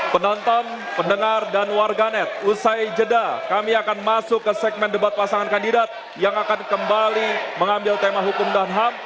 penonton pendengar dan warganet usai jeda kami akan masuk ke segmen debat pasangan kandidat yang akan kembali mengambil tema hukum dan ham